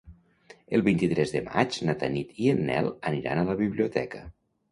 El vint-i-tres de maig na Tanit i en Nel aniran a la biblioteca.